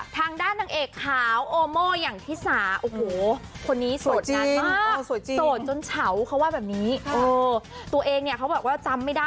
ทางด้านหนังเอกขาวโอโมเลช่านีที้สา